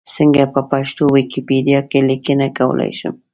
څنګه په پښتو ویکیپېډیا کې لیکنه کولای شم؟